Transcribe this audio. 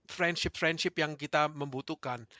friendship friendship yang kita membutuhkan